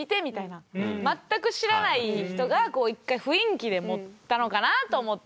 全く知らない人がこう一回雰囲気で持ったのかな？と思って。